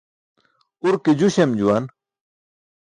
Urke ju śem juwan.